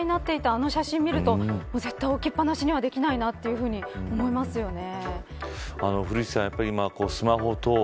あの写真を見ると絶対、置きっぱなしにはできないなと思いますよね。